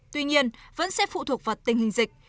tuy nhiên vẫn sẽ phụ thuộc vào tình hình dịch